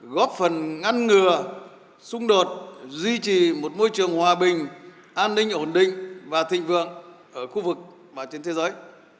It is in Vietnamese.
góp phần ngăn ngừa xung đột duy trì một môi trường hòa bình an ninh ổn định và thịnh vượng ở khu vực và trên thế giới